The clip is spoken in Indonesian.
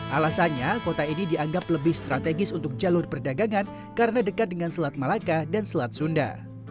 alasannya kota ini dianggap lebih strategis untuk jalur perdagangan karena dekat dengan selat malaka dan selat sunda